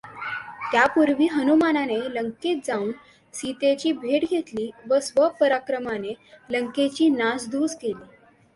त्यापूर्वी हनुमानाने लंकेत जावून सीतेची भेट घेतली व स्व पराक्रमाने लंकेची नासधूस केली.